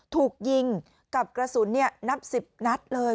ถูกยิงกับกระสุนนับ๑๐นัดเลย